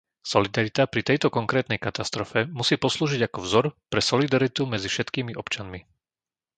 Solidarita pri tejto konkrétnej katastrofe musí poslúžiť ako vzor pre solidaritu medzi všetkými občanmi.